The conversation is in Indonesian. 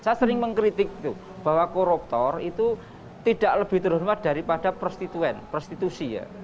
saya sering mengkritik bahwa koruptor itu tidak lebih terhormat daripada prostituen prostitusi ya